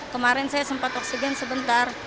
kemarin saya sempat oksigen sebentar